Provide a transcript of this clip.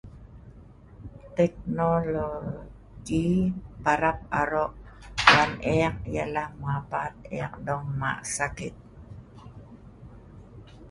teknologi parap aro wan eek ialah parap mabat eek dong ma' sakit